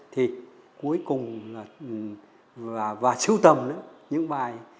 thì cuối cùng và sưu tầm những bài